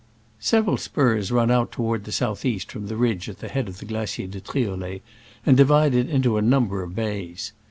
Several spurs run out toward the south east from the ridge at the head of the Glacier de Triolet, and divide it into a number of bays.